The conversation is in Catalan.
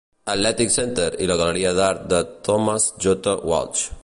Athletic Center i la galeria d'art de Thomas J. Walsh.